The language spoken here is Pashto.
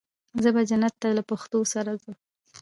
زه به جنت ته له پښتو سره ځم.